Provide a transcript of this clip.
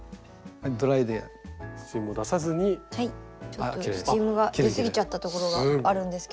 ちょっとスチームが出過ぎちゃったところがあるんですけど。